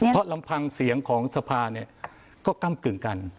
เพราะลำพังเสียงของสภาเนี่ยก็ก้ำกึ่งกัน